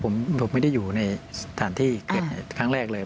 ผมไม่ได้อยู่ในสถานที่เก็บครั้งแรกเลย